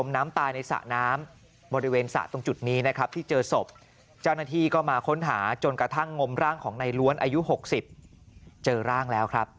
ในล้วนอายุ๖๐เจอร่างแล้วครับ